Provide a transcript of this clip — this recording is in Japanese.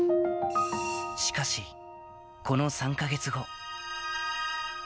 しかし、この３か月後。